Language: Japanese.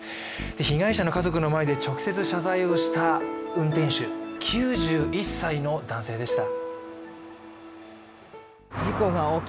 被害者の家族の前で直接謝罪した運転手、９１歳の男性でした。